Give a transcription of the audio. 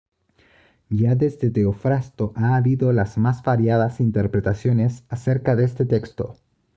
Ya desde Teofrasto ha habido las más variadas interpretaciones acerca de este texto.